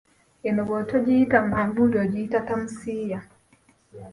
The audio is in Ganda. Eno bw'otogiyita manvuuli ogiyita tamusiya.